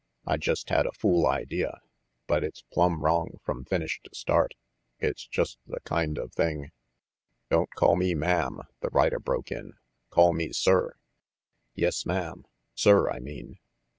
"I just had a fool idea, but it's plumb wrong from finish to start. It's just the kind of thing "Don't call me ma'am," the rider broke in. "Call me sir." "Yes, Ma'am, Sir, I mean."